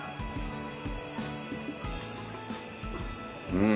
うん。